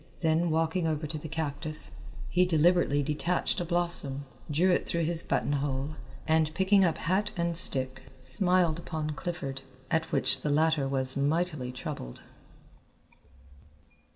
Then walking over to the cactus, he deliberately detached a blossom, drew it through his buttonhole, and picking up hat and stick, smiled upon Clifford, at which the latter was mightily troubled.